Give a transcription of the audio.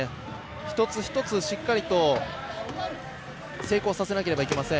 一つ一つ、しっかりと成功させなければいけません。